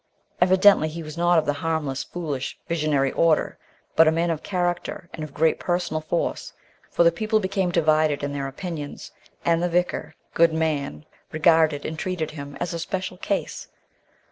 Evidently, he was not of the harmless, foolish, visionary order, but a man of character and of great personal force, for the people became divided in their opinions, and the vicar, good man, regarded and treated him as a "special case."